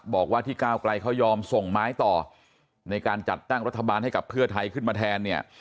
บอกว่าที่ก้าวไกลเขายอมส่งไม้ต่อในการจัดตั้งรัฐบาลให้กับเพื่อไทยขึ้นมาแทนเนี่ย